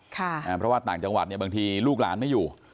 เพราะว่าต่างจังหวัดเนี่ยบางทีลูกหลานไม่อยู่